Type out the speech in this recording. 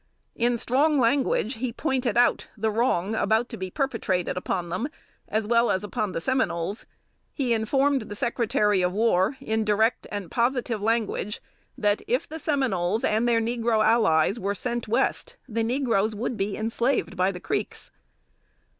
In strong language, he pointed out the wrong about to be perpetrated upon them, as well as upon the Seminoles. He informed the Secretary of War, in direct and positive language, that if the Seminoles and their "negro allies" were sent West, the negroes would be enslaved by the Creeks.